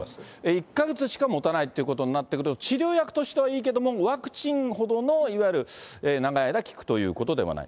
１か月しかもたないということになってくると、治療薬としてはいいけれども、ワクチンほどのいわゆる、長い間、効くということではない。